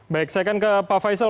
baik saya akan ke pak faisal